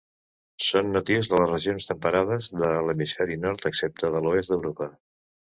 Són natius de les regions temperades de l'hemisferi nord, excepte de l'oest d'Europa.